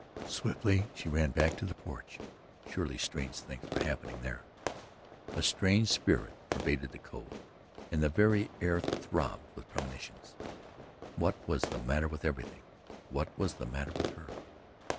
Swiftly she ran back to the porch. Surely strange things were happening there. A strange spirit pervaded the Cove and the very air throbbed with premonitions. What was the matter with everything what was the matter with her?